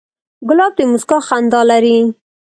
ګلاب د موسکا خندا لري.